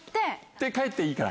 で帰っていいから。